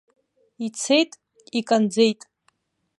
Ицеит, иканӡеит.